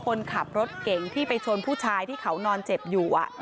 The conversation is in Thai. คนขับรถเก่งที่ไปชนผู้ชายที่เขานอนเจ็บอยู่